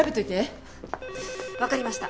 わかりました。